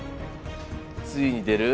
ついに出る？